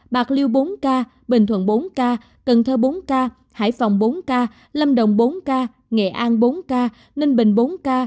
bạc liêu bốn ca bình thuận bốn ca cần thơ bốn ca hải phòng bốn ca lâm đồng bốn ca nghệ an bốn ca ninh bình bốn ca